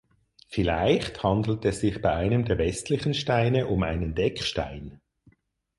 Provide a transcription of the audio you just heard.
Vielleicht handelt es sich bei einem der westlichen Steine um einen Deckstein.